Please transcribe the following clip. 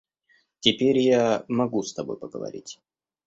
Теперь я могу с тобой поговорить.